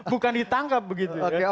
bukan ditangkap begitu